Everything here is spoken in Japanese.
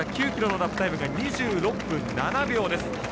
９ｋｍのラップタイムが２６分７秒です。